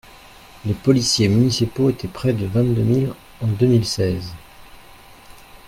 Les policiers municipaux étaient près de vingt-deux mille en deux mille seize.